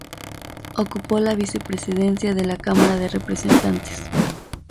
Ocupó la vicepresidencia de la Cámara de Representantes.